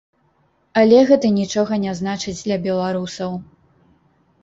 Але гэта нічога не значыць для беларусаў.